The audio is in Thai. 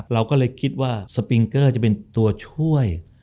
เราก็เลยคิดว่าสปิงเกอร์จะเป็นตัวช่วย